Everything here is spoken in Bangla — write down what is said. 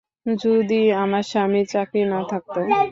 যদি আমার স্বামীর চাকরি না থাকত।